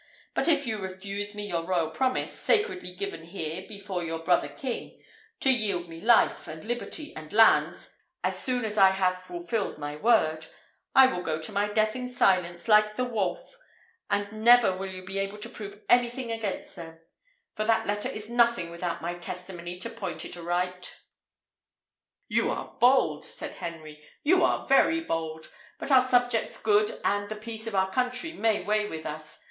But if you refuse me your royal promise, sacredly given here before your brother king to yield me life, and liberty, and lands, as soon as I have fulfilled my word I will go to my death in silence, like the wolf, and never will you be able to prove anything against them; for that letter is nothing without my testimony to point it aright." "You are bold!" said Henry; "you are very bold! but our subjects' good and the peace of our country may weigh with us.